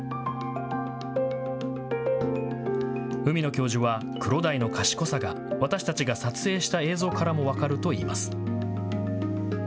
海野教授はクロダイの賢さが私たちが撮影した映像からも分かるといいます。